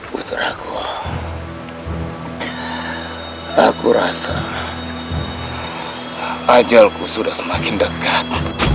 putraku aku rasa pajalku sudah semakin dekat